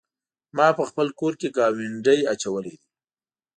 ما په خپل کور کې ګاونډی اچولی دی.